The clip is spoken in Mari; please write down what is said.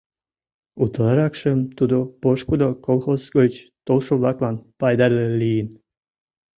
Утларакшым тудо пошкудо колхоз гыч толшо-влаклан пайдале лийын.